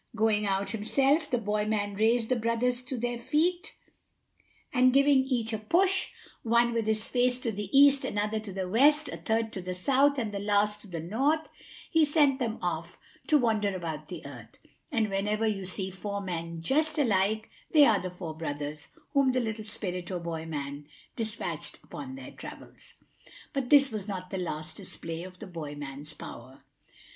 Going out himself, the boy man raised the brothers to their feet, and giving each a push, one with his face to the East, another to the West, a third to the South, and the last to the North, he sent them off to wander about the earth; and whenever you see four men just alike, they are the four brothers whom the little spirit or boy man despatched upon their travels. But this was not the last display of the boy man's power.